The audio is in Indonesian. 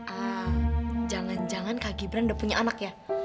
ah jangan jangan kak gibran udah punya anak ya